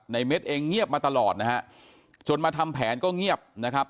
เม็ดเองเงียบมาตลอดนะฮะจนมาทำแผนก็เงียบนะครับ